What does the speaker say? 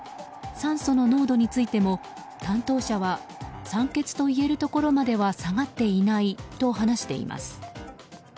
酸素の濃度についても担当者は酸欠といえるところまでは下がっていないと話しています。